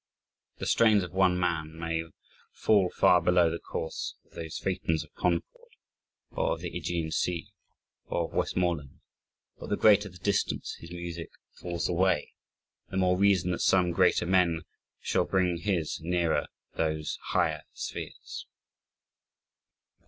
The strains of one man may fall far below the course of those Phaetons of Concord, or of the Aegean Sea, or of Westmorland but the greater the distance his music falls away, the more reason that some greater man shall bring his nearer those higher spheres.